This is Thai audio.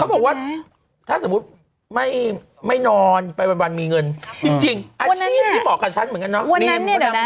บอกว่าถ้าสมมุติไม่นอนไปวันมีเงินจริงอาชีพนี้เหมาะกับฉันเหมือนกันเนาะ